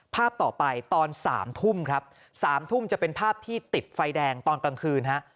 ภาพต่อไปตอน๓ทุ่มครับ๓ทุ่มจะเป็นภาพที่ติดไฟแดงตอนกลางคืนฮะ